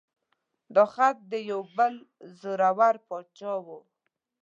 دا خط د یو بل زوره ور باچا و.